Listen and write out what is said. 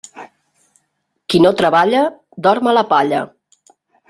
Qui no treballa, dorm a la palla.